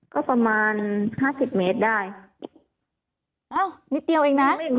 ก็ประมาณห้าสิบเมตรได้อ้าวนิดเดียวเองนะ